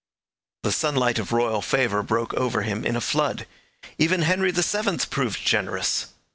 The sunlight of royal favour broke over him in a flood: even Henry VII proved generous.